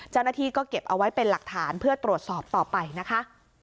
เจ้าหน้าที่ก็เก็บเอาไว้เป็นหลักฐานเพื่อตรวจสอบต่อไปนะคะ